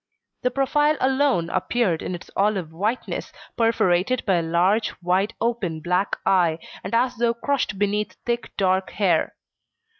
The profile alone appeared in its olive whiteness, perforated by a large, wide open, black eye, and as though crushed beneath thick dark hair.